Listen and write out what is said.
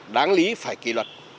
đáng lý phải kỷ luật